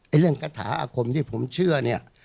เรื่องกระถาอาคมที่ผมเชื่อเนี่ย